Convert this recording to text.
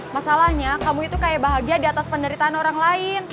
masalahnya kamu itu kayak bahagia diatas penderitaan orang lain